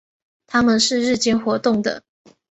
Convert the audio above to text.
它们是日间活动的。